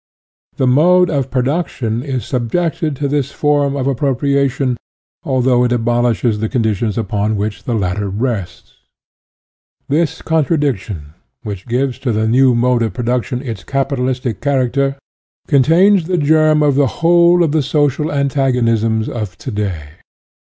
The mode of production is sub jected to this form of appropriation, al though it abolishes the conditions upon which the latter rests. 1 This contradiction, which gives to the new mode of production its capitalistic character, contains the germ of the whole of the social antagonisms of to day.